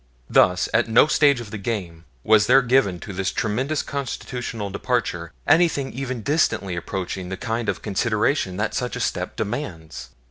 Thus at no stage of the game was there given to this tremendous Constitutional departure anything even distantly approaching the kind of consideration that such a step demands.